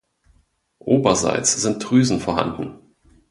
Oberseits sind Drüsen vorhanden.